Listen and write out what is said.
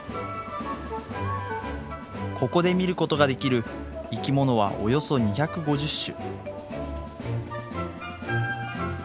ここで見ることができる生き物はおよそ２５０種。